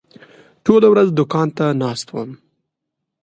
ټوله ورځ دوکان ته ناست وم.